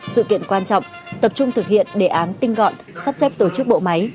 sự kiện quan trọng tập trung thực hiện đề án tinh gọn sắp xếp tổ chức bộ máy